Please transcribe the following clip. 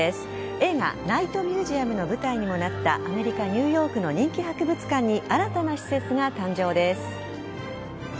映画「ナイトミュージアム」の舞台にもなったアメリカ・ニューヨークの人気博物館に新たな施設が誕生です。